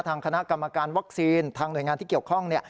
ทางคณะกรรมการวัคซีนทางหน่วยงานที่เกี่ยวข้อง